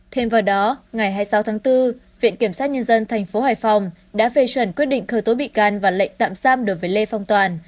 thêm vào đó ngày hai mươi sáu tháng bốn viện kiểm sát nhân dân tp hải phòng đã phê chuẩn quyết định khởi tố bị can và lệnh tạm giam đối với lê phong toàn